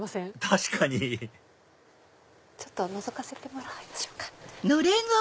確かにちょっとのぞかせてもらいましょうか。